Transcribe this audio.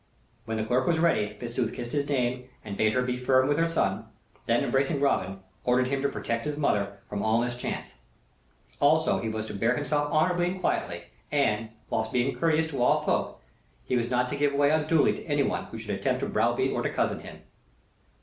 When the clerk was ready Fitzooth kissed his dame and bade her be firm with their son; then, embracing Robin, ordered him to protect his mother from all mischance. Also he was to bear himself honorably and quietly; and, whilst being courteous to all folk, he was not to give way unduly to anyone who should attempt to browbeat or to cozen him.